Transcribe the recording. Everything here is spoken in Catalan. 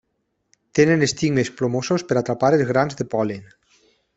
Tenen estigmes plomosos per a atrapar els grans de pol·len.